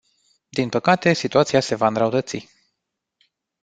Din păcate, situația se va înrăutăți.